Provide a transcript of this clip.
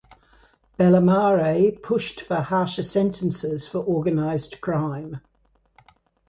Bellemare pushed for harsher sentences for organized crime.